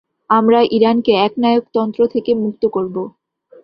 আমরা ইরানকে একনায়কতন্ত্র থেকে মুক্ত করব।